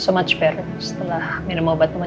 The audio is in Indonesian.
so much better setelah minum obatnya ma